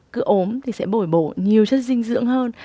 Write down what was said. cứ ốm thì sẽ bổi bổ nhiều chất dinh dưỡng hơn